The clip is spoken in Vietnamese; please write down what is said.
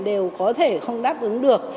đều có thể không đáp ứng được